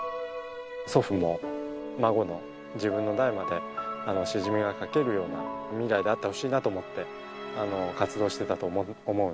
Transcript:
祖父も孫の自分の代までしじみが掻けるような未来であってほしいなと思って活動してたと思うので。